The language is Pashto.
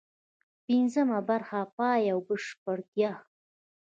پنځمه برخه: پای او بشپړتیا